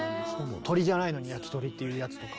鶏じゃないのにやきとりっていうやつとか。